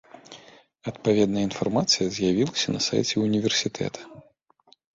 Адпаведная інфармацыя з'явілася на сайце ўніверсітэта.